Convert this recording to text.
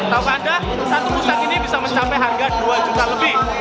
tahu anda satu pusat ini bisa mencapai harga dua juta lebih